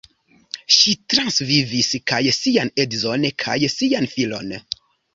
Ŝi transvivis kaj sian edzon kaj sian filon.